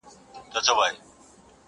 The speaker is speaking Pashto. د اوښکو شپه څنګه پر څوکه د باڼه تېرېږي!